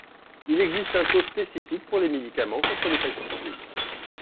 Il existe un taux spécifique pour les médicaments contre l’hépatite C.